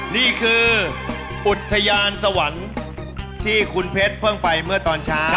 นี่คืออุทยานสวรรค์ที่คุณเพชรเพิ่งไปเมื่อตอนเช้า